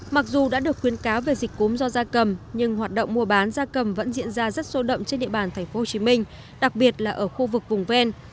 mặc dù đã được khuyến cáo về dịch cúm do gia cầm nhưng hoạt động mua bán gia cầm vẫn diễn ra rất sâu đậm trên địa bàn tp hcm đặc biệt là ở khu vực vùng ven